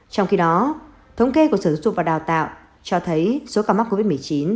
trong khi đó thống kê của sở dục và đào tạo cho thấy số ca mắc covid một mươi chín